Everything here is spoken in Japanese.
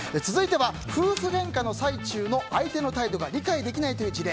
夫婦げんかの最中の相手の態度が理解できない事例